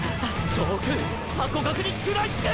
総北ハコガクに喰らいつく！！